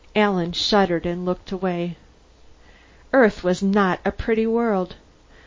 Alan shuddered and looked away. Earth was not a pretty world.